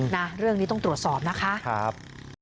นะเรื่องนี้ต้องตรวจสอบนะคะ